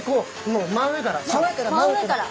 もう真上から。